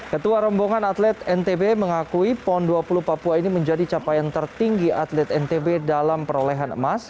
ketua rombongan atlet ntb mengakui pon dua puluh papua ini menjadi capaian tertinggi atlet ntb dalam perolehan emas